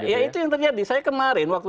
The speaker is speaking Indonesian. ya itu yang terjadi saya kemarin waktu